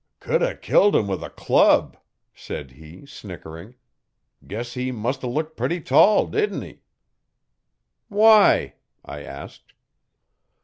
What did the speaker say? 'Could 'a killed 'im with a club,' said he snickering. 'Guess he must a looked putty tall didn't he?' 'Why?' I asked.